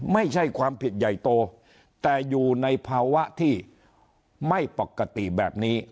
ไม่ใช่ความผิดใหญ่โตแต่อยู่ในภาวะที่ไม่ปกติแบบนี้